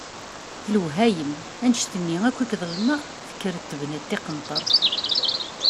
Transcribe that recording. D lewhayem! Annect-nni akk i k-ḍelmeɣ, tekkreḍ tebniḍ tiqenṭert!